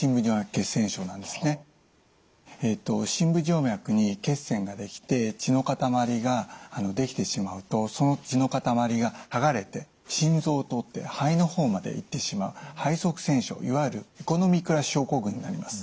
深部静脈に血栓が出来て血の塊が出来てしまうとその血の塊がはがれて心臓を通って肺の方まで行ってしまう肺塞栓症いわゆるエコノミークラス症候群になります。